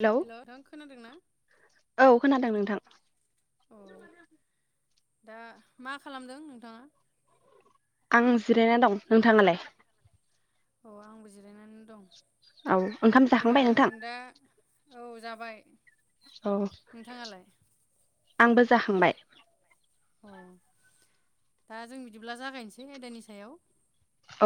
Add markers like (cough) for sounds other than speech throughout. Hello hello नोंथां खोनादोंना औ खोनादों नोंथां अ दा मा खालामदों नोंथाङा आं जिरायना दं। नोंथाङालाय? अ आंबो जिरायना औ ओंखाम जाखांबाय नोंथां? जों दा औ जाबाय औ नोंथाङालाय आंबो जाखांबाय अ दा जों बिदिब्ला जागायनोसै आयदानि सायाव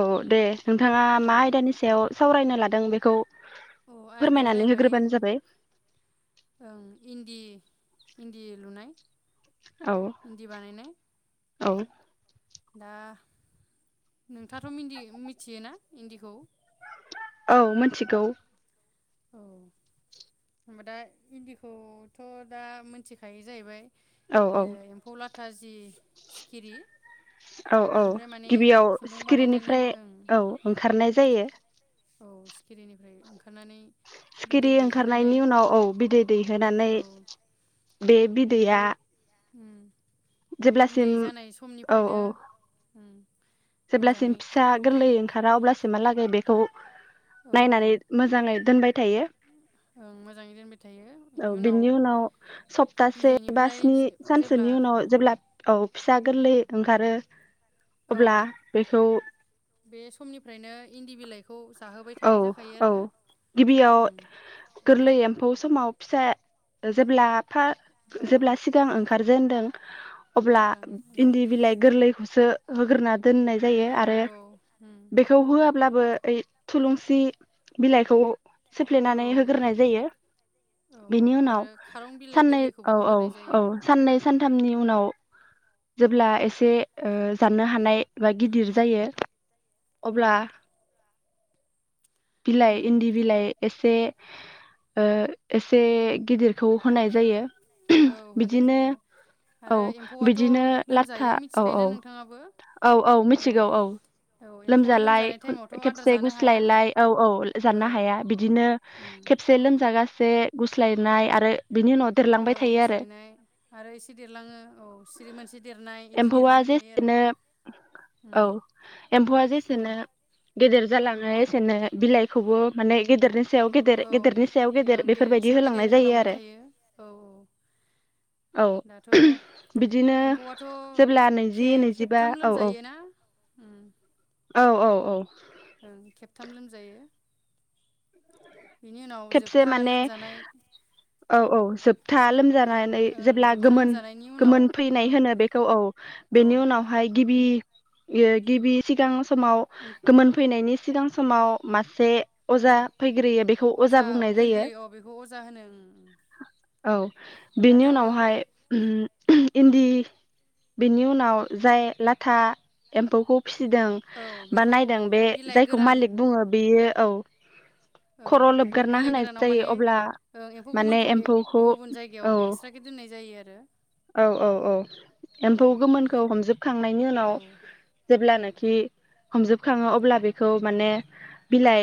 औ दे नोंथाङा औ मा आयदानि सायाव सावरायनो ला दों बेखौ अ आयदाया फोरमायनानै जाहैबाय होग्रोबानो जाबाय ओं दि इन्दि लुनाय औ इन्दि बानायनाय औ दा नोंथाङाथ' मिनदि मिथियोना इन्दिखौ? औ मोनथिगौ औ होनबा दा इन्दिखौथ दा मोनथिखायो जाहैबाय औ औ ए एम्फौ ला था जि सिखिरि औ औ बेनिफ्राय माने गिबियाव खुन्दुं बानायनानै सिखिरिनिफ्राय ओं औ ओंखारनाय जायो। औ सिखिरिनिफ्राय ओंखार सिखिरि ओंखारनायनि उनाव औ बिदै दैहोनानै औ बे बेखौ बिदैया उम जेब्लासिम बिदै जानाय औ समनिफ्रायनो औ जेब्लासिम मोजाङै फिसा गोरलै ओं खारा अब्लासो मालागै बेखौ औ नायनानै मोजाङै दोनबाय थायो ओं मोजाङै दोनबाय थायो औ बेनि बिनि उनाव सप्तासे बा बिदैनिफ्राय स्नि जे-जेब्ला सानसोनि उनाव जेब्ला औ फिसा गोरलै ओंखारो औ अब्ला बेखौ बे समनिफ्रायनो इन्दि बिलाइ औ औ गिबियाव ओं गोरलै एम्फौ समाव फिसा जेब्ला फा ओं जेब्ला सिगां ओंखारजेेनदों अब्ला जेब्ला ओंगार इन्दि बिलाइ गोरलैखौसो होगोरना दोननाय जायो औ आरो औ उम बेखौ होआ ब्लाबो ओइ थुलुंसि बिलाइखौ सोफ्लेनानै औ होग्रोनाय जायो। औ औ बेनि उनाव आरो खारं बिलाइ साननै गोरलैखौबो औ औ होग्रोनाय औ जायो साननै उम सानथामनि उनाव जेब्ला एसे ओ जाननो हानाय बा गिदिर जायो औ अब्ला उम बिलाइ इन्दि बिलाइ एसे। ओ एसे गिदिरखौ होनाय जायो‌। औ होनाय जायो औ आरो एम्फौआथ' बिदिनो लाथा लोमजायो औ मिथिखायो ना औ नोंथाङाबो औ- औ एम- जालाय खे-खेबसे गुस्लायलाय औ औ औ जानो हाया बिदिनो उम खेबसे लोमजा गासे गुस्लायनाय आरो। बिनि उनाव औ देरलांबाय थायो आरो गोस्लायनाय आरो एसे देरलाङो औ सिरि मोनसे देरनाय बिदि एम्फौआ देरलांबाय थायो आरो। जेसेनो औ बेसेनो गेदेर जालाङो एसेनो बिलाइखौबो माने गेदेरनि‌ सायाव गेदेर औ गेदेरनि सायाव गेदेर ओं गेदेरनि बेफोरबायदि सायाव गेदेर होलांनाय जायो होलांबाय आरो थायो औ औ दाथ' बिदिनो एम्फौआथ' जेब्ला नैजि खे नैजिबा खेबथाम औ-औ लोमजायोना औ-औ-औ ओ खेबथाम लोमजायो। बिनि उनाव जोबथा लोमजानाय। औ-औ जोब था लोमजानानै ओं जेब्ला जोबथा गोमोन लोमजानायनि उनाव गोमोन फैनाय ओं होनो बेखौ औ औ बेनि उनावहाय गिबि यो गिबि सिगां समाव गोमोन फैनायनि सिगां समाव मासे अजा ओं फैग्रोयो बेखौ औ अजा बुंनाय जायो फैग्रोयो अ बेखौ अजा होनो ओम औ बेनि उनावहाय ओम इन्दि बेनि उनाव जाय लाथा एम्फौखौ फिसिदों औ बा बेखौ नायदों बे बिलाइ जायखौ गोरान मालिक बुङो बेयो औ औ खर' बेखौ लोबगारना बिलाइ होनाय गोरानाव जायो माने अब्ला एम्फौ माने गोमोनखौ एम्फौखौ गुबुन औ जायगायाव एक्सट्राखे दोननाय जायो आरो (inaudible) औ औ औ औ एम्फौ गोमोनखौ हमजोबखांनायनि उनाव औ जेब्लानो बि हमजोबखाङो अब्ला बेखौ माने बिलाइ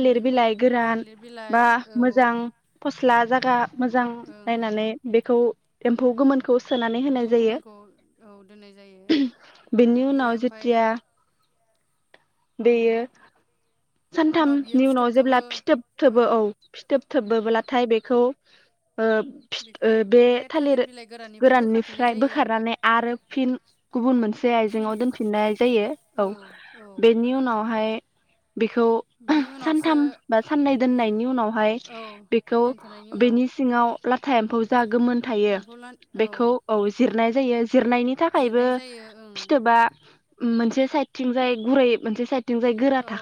उम बिलाइ गोरान थालिर बिलाइ बा औ मोजां फ (unintelligible) जायगा मोजां ओं नायनानै बेखौ फौ गोमोन। एम्फौ गोमोनखौ औ दोननाय जायो आरो बियो ओमफाय उम दैयो उनाव बियो सानथामनि फिथोब उनाव जेब्ला थोबो फिथोब थोबो औ फिथोब उम थोबोब्लाथाय बेखौ खौ ओ फि बेखौ ओ बे थालिर बिलाइ बोखाफिननाय गोराननिफ्राय जायो आरो बोखारनानै आरो फिन गुबुन मोनसे फिन आइजेंआव दोनफिननाय जायो औ औ बेनि उनावहाय बेखौ बिनि उनावसो सानथाम बा साननै दोननायनि उनावहाय औ बेखौ दोनथ'नायनि उनाव बेनि सिङाव ला था एमफौ जा गोमोन थायो एम्फौ लान बेखौ औ जिरनाय जायो। जिरनायनि थाखायबो जिरनाय जायो ओं फिथोबा मोनसे साइदथिं जाय गुरै मोनसे साइद औ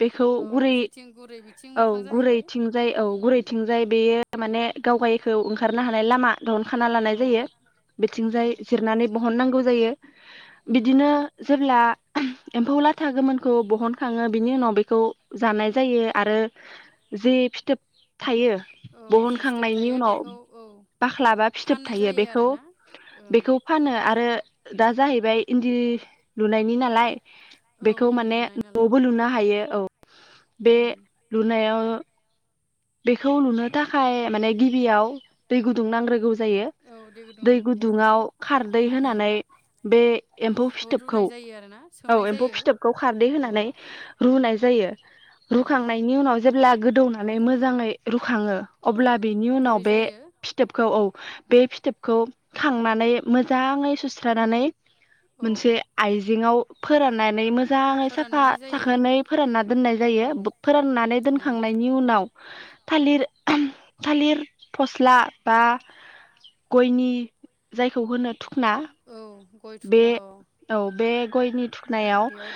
बेखौ औ गुरै जेथिं गुरै बिथिं औ मोखां जाहैबाय गुरैथिंजाय औ ओं गुरैथिंजाय बे बे माने गावगायखौ ओंखारनो हानाय लामा ब'हन खाना लानाय औ जायो औ बिथिंजाय जिरनानै ब'हन नांगौ जायो। उम बिदिनो जेब्ला एम्फौ लाथा गोमोनखौ बहनखाङो। बिनि उनाव बेखौ जानाय जायो आरो जि फिथोब थायो औ जि फिथोब बहनखांनायनि थायो उनाव बेखौ औ बाख्ला बा फिथोब फाननाय थायो जायो बेखौ आरोना ओं बेखौ फानो आरो दा जाहैबाय इन्दि लुनायनि नालाय औ बेखौ इन्दि माने लुनाय नालाय न'बो लुनो हायो औ बे उम लुनायाव बेखौ लुनो थाखाय माने गिबियाव दै गुदुं नांग्रोगौ जायो औ गुदुं दै नांग्रोगौ गुदुङाव जायो खारदै उम होनानै बे एम्फौ खौ फिथोबखौ रुनाय जायो आरोना औ सोमनाय एम्फौ जायो फिथोबखौ खारदै औ होनानै रुनाय जायो। औ रुखांनायनि उनाव जेब्ला गोदौनानै मोजाङै रु खाङो औ अब्ला बिनि उनाव गुरै बे जायो फिथोबखौ औ। बे फिथोबखौ खांनानै मोजाङै सुस्रानानै औ मोनसे आइजेंयाव फोराननानै मो जाङै साफा फोराननानै जायो साखोनै फोरानना दोननाय जायो औ फोराननानै उम दोनखांनायनि उनाव थालिर (unintelligible) थालिर फस्ला बा गयनि जायखौ होनो थुखना औ गय बे थुख्ला औ बे गयनि थुखनायाव बेयाव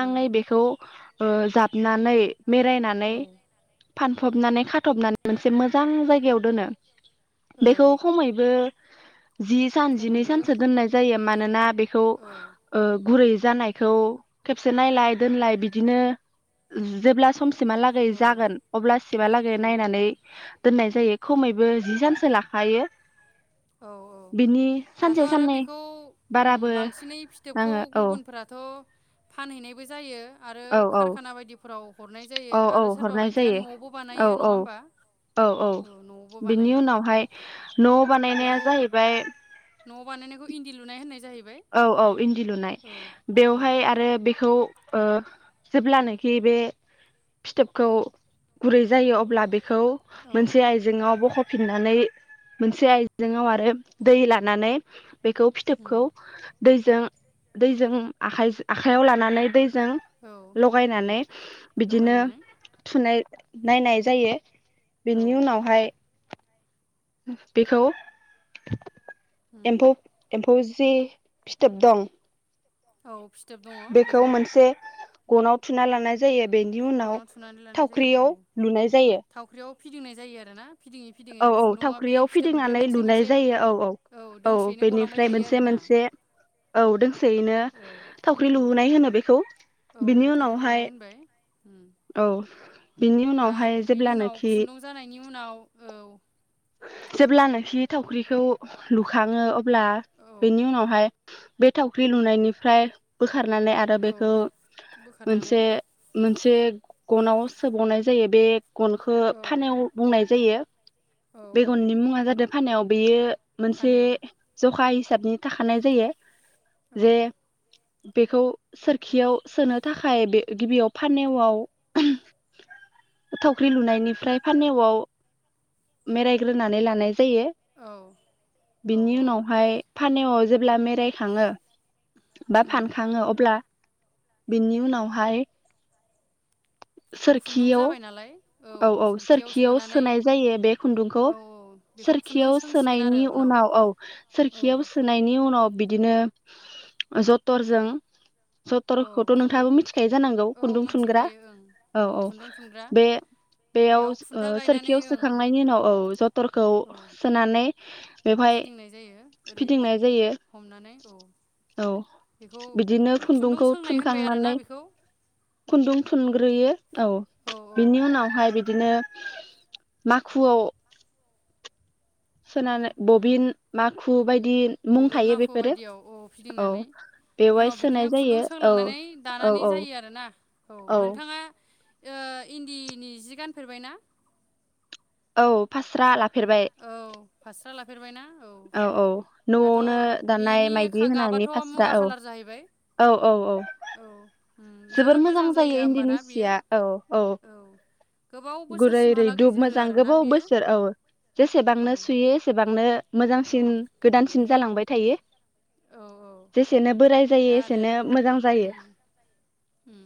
उम बे ओ जाबनानै मेरायनानै औ फान फबनानै खाथबनानै मोनसे मोजां जायगायाव दोनो औ बेखौ खमैबो जि सान जिनै खमैबो सानसो दोननाय जायो मानोना बेखौ औ ओ गुरै जानायखौ खेबसे नायलाय दोनलाय बिदिनो जेब्ला सम सिमहालागै औ जागोन अब्लासिमहालागै उम नायनानै दोननाय जायो खमैबो जि सानसो लाखायो औ औ बिनि दाथ' सानसे आरो साननै बेखौ उम बाराबो बांसिनै फिथोबखौ नाङो औ गुबुनफोराथ' फानहैनायबो जायो आरो औ औ कारखाना बायदिफोराव हरनाय जायो औ औ आरो सोरबा हरनाय बायदिया जायो न'आवबो औ बानायो नङा औ होमबा औ न'आवबो बिनि बानायो उनावहाय न' बानायनाया जाहैबाय। न' बानायनायखौ इन्दि लुनाय होननाय जायो औ औ इन्दि लुनाय औ बेवहाय आरो बेखौ ओ जेब्लानाखि बे फिथोबखौ गुरै जायो अब्ला बे खौ औ मोनसे आइजेआव बख फिननानै मोनसे आइजेंआव आरो दै लानानै। बेखौ उम फिथोबखौ दैजों दैजों आखाइआव लानानै दै जों औ उम लगायनानै बिदिनो लगायनानै थुनाय नायनाय जायो। औ बेनि उनावहाय। बेखौ। उम एम्फौ एम्फौ जि फिथोब दं औ। फिथोब दङ बेखौ मोनसे गनाव थुना लानाय जायो। बेनि उनाव गनाव थुनानै लानाय जायो औ थावख्रियाव लुनाय जायो। थावख्रियाव फिदिंनाय जायो आरोना? फिदिङै फिदिङै औ-औ खुन्दुङा बे थावख्रियाव फिथोबनिफ्राय फिदिंनानै मोनसे लुनाय मोनसे जायो औ-औ- औ दोंसेयैनो गलांबाय बेनिफ्राय थायो मोनसे आरोना मोनसे औ दोंसेयैनो औ थावख्रि ओं लुनाय होनो बेखौ। औ बिनि बेखौ थावख्रि लुनाय उनावहाय होनबाय। उम औ बिनि दा उनावहाय बेनि उनाव जेब्लानोखि खुन्दुं जानायनि उनाव औ जेब्लानाखि थावख्रिखौ लुखाङो अब्ला औ बेनि उनावहाय बे थावख्रि लुनायनिफ्राय खारनानै आरो औ बेखौ बोखारनानै मोनसे-मोनसे गनावआव सोबावनाय जायो बे गनखौ औ फानेव बुंनाय जायो। औ बे औ गननि मुङा जादों फानायाव बेयो मोनसे फानो जखा हिसाबनि थाखानाय जायो। औ जे बेखौ सोरखियाव सोनो थाखाय बे गिबियाव फानवआव ओहोम थावख्रि लुनायनिफ्राय फानवआव मेरायग्रोनानै लानाय जायो औ औ बिनि उनाव हाय फानेवाव (unintelligible) मेरायखाङो बा उम फानखाङो अब्ला बिनि उनावहाय खुन्दुं जाबाय नालाय, औ औ-औ सोरखियाव सोनानै सोनाय जायो बे खुन्दुंखौ, औ बेखौ खुन्दुं सोरखियाव सोंसिगोन आरो सोनायनि उनाव औ औ सोरखियाव सोनायनि उनाव बिदिनो जथरजों औ जतर'खौथ' खुन्दुर नोंथाङाबो मिथिखायो जानांगौ औ खुन्दुं थुनग्रा मिथिखायो ओं औ औ-औ खुन्दुं थुनग्रा बे बेयाव ओ खुन्था गायनानै सोरखियाव ओं सोखांनायनि उनाव औ जथरखौ औ सोनानै (unintelligible) फिदिंनाय जायो ओरै फिदिंनाय जायो हमनानै औ, औ बेखौ बिदिनो खुन्दुं खुन्दुंखौ सोंनाय होनबाय थुनखांनानै आरोना बेखौ? खुन्दुं थुनग्रोयो औ बिनि उनाव ओमफ्राय बिदिनो माखुआव सोनानै उम बबिन माखु बायदि मुं बबिन थायो माखु बेफोरो बायदियाव औ औ फिदिंनानै उनाव बेवहाय बिदिनो सोनाय खुन्दुं जायो औ सोंलांनानै -औ दानानै -औ जायो आरोना -औ नोंथाङा ओ इन्दिनि जि गानफेरबाय ना? औ फास्रा ला फेरबाय। लाफेरबाय ना? औ औ न'आवनो दानाय बेनि मायदि होनानै गाबाथ' फास्रा मुगा औ। खालार जाहैबाय औ औ औ। उम जोबोर जोबोद मोजां जायो होमबाना इन्दिनि बियो सिया औ औ। गोबाव गुरै बोसोरसिमहालागै रैदुब जोरो मोजां आरोना गोबाव बियो बोसोर औ। औ जेसेबांनो सुयो एसेबां नो औ मोजांसिन गोदानसिन जालांबाय थायो। औ औ। सेनो दा आरो उम उम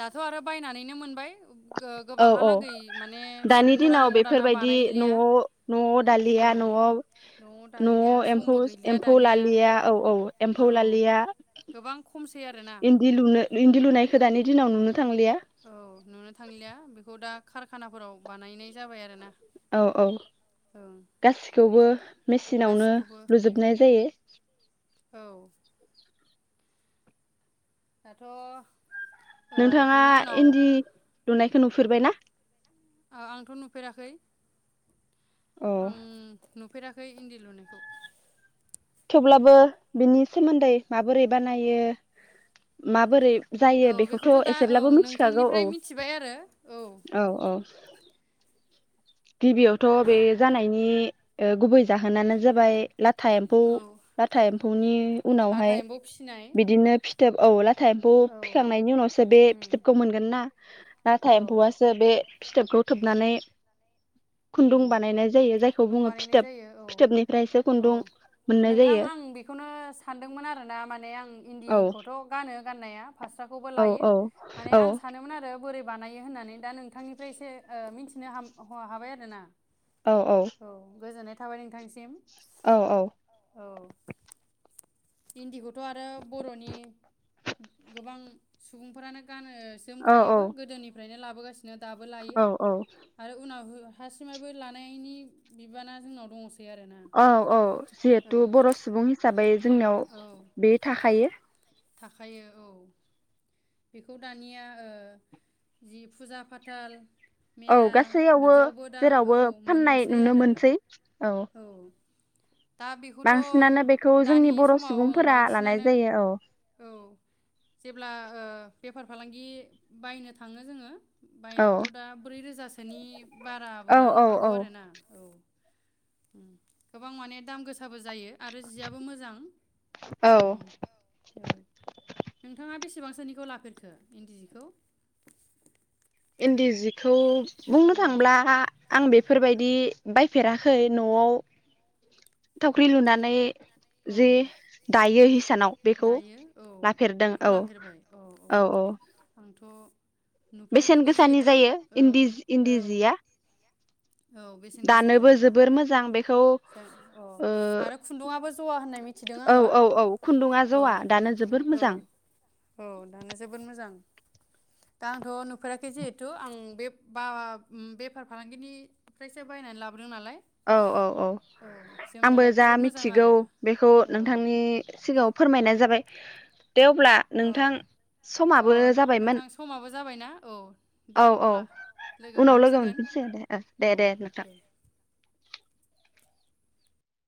दाथ' आरो बायनानैनो मोनबाय। औ औ गो-गोबांहालागै माने दानि सुबुंफोरा दिनाव न'आव दाना बेफोरबायदि बानायलिया न'आव, न'आव दालिया औ न'आव, दङ दालिया न'आव समबो एम्फौ, गैलिया एम्फौ दानिया लालिया औ औ औ एम्फौ लालिया। गोबां खमसै आरोना इन्दि लुनो इन्दि लुनायखौ दानि दिनाव नुनो थांलिया औ नुनो थांलिया बेखौ दा कारखानाफोराव बानायनाय जाबाय आरोना। औ औ ओं गासिखौबो मेसिनावनो गासिखौबो लुजोबनाय जायो। औ दाथ' नोंथाङा बिनि उनाव इन्दि लुनाय खौ नुफेरबायना? ओह आंथ' नुफेराखै। अ आं नुफेरा खै इन्दि लुनायखौ। अब्लाबो बिनि सोमोन्दै माबोरै बानायो माबोरै औ जायो बेखौथ' दा ओं एसेब्लाबो मिथिखागौ नोंथांनिफ्राय औ, मिथिबाय आरो औ औ। गिबियावथ' बे जानायनि ओ गुबै जाहोनानो जाबाय लाथा एम्फौ औ लाथा एम्फौनि लाथा उनावहाय एम्फौ फिसिनाय बिदिनो फि थोब औ ला था एम्फौ औ फिखांनायनि उनावसो बे उम फिथोबखौ मोनगोन ना नाथाय औ एम्फौआसो बे फिथोबखौ थोबनानै खुन्दुं उम बानायनाय जायो जायखौ खुन्दुं बुङो बानायनाय फिथोब जायो औ फिथोबनिफ्रायसो औ खुन्दुं मोननाय नोंथां जायो आं बेखौनो सानदोंमोन आरोना माने आं औ इन्दिखौथ' गानो। गाननाया फास्राखौबो औ लायो औ माने औ आं सानोमोन आरो बोरै बानायो होननानै दा नोंथांनिफ्राय एसे ओ मिथिनो ह हाबाय आरो। थोना औ औ थाबाय नोंथांनिसिम। औ औ औ इन्दिखौथ' आरो बर'नि गोबां सुबुंफोरानो गानो औ जोमखायोबो गोदोनि माने लाबोगासि नो दाबो लायो औ आरो उनाव हो थासिमायबो लानायनि बिबाना जोंनाव दंङस औ औ जिहेतु बर' सुबुं हिसाबै जोंनियाव औ बे थाखायो थाखायो औ बेखौ दानिया ओ जि फुजा-फाथाल औ गासैयावबो जेरावबो फाननाय मोनसै नुनो आरो मोनसै। औ दा बेखौथ' बांसिनानो बेखौ जोंनि दानि बर' समाव ओं सुबुंफोरा लानाय बांसिनानो जायो औ जेब्ला ओ बेफार फालांगि बायनो थांङो जोंङो। औ बायनायावथ' दा ब्रै रोजासोनि बाराबो औ लानो औ हागौ औ आरो ना औ गोबां माने दाम गोसाबो जायो। आरो जियाबो मोजां औ उम औ नोंथांङा बेसेबांस खो नि खौ लाफेरखो इन्दि जि खौ? इन्दि जिखौ बुंनो थांब्ला आं बेफोरबायदि बायफेराखै न'आव थावख्रि लुनानै जि औ दायो हिसानाव बेखौ दायो औ लाफेरदों औ औ औ आंथ' बेसेन नुफेराखैबो गोसानि जिहेथु जायो औ इन्दिज औ इन्दि जिया। औ बेसेन गोसा दानोबो जायो। जोबोर मोजां बेखौ दा अ ओ आरो खुन्दुंआबो औ औ औ खुन्दुङा ज'आ दानो जोबोर औ मोजां। औ दानो जोबोद मोजां दा आंथ' नुफेराखैे जिहेथु आं‌ बे बा उम बेफार-फालांगिनिफ्रायसो बायनानै लाबोद औ औ औ आंबो जोमनोलाय जा बुहुद मोजां मिथिगौ आरो बेखौ औ नोंथांनि सिगाङाव फो फोरमायनाय जाबाय। दे अब्ला औ नोंथां अ समाबो जाबायमोन। नोंथां समाबो जाबायना औ दे औ औ अब्ला उनाव लोगो मोनफिनसै दे। औ दे दे नोंथां।